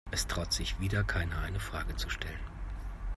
Es traut sich wieder keiner, eine Frage zu stellen.